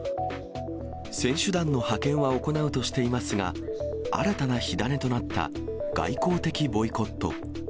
選手団の派遣は行うとしていますが、新たな火種となった外交的ボイコット。